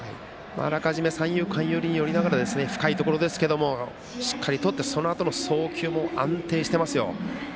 あらかじめ三遊間寄りを守りながら深いところですけれどもしっかり、とってそのあとの送球も安定してますよ。